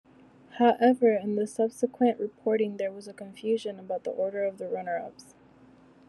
However, in the subsequent reporting there was confusion about the order of the runners-up.